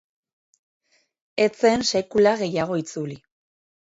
Ez zen sekula gehiago itzuli.